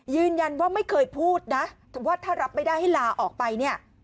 ไม่เคยพูดนะว่าถ้ารับไม่ได้ให้ลาออกไปเนี่ย